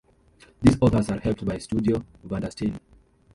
These authors are helped by Studio Vandersteen.